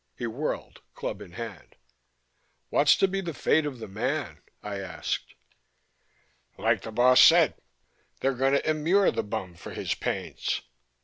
He whirled, club in hand. "What's to be the fate of the man?" I asked. "Like the Boss said: they're gonna immure the bum for his pains."